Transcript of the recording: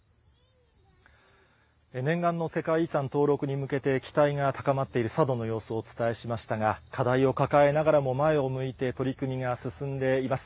念願の世界遺産登録に向けて期待が高まっている佐渡の様子をお伝えしましたが、課題を抱えながらも前を向いて取り組みが進んでいます。